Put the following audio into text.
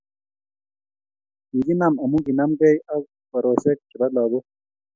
Kikinam amu kinamgei ak korosek che bo lagok.